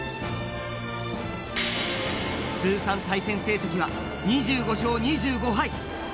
通算対戦成績は２５勝２５敗。